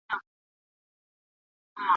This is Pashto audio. د سوال یاري ده اوس به دړي وړي سینه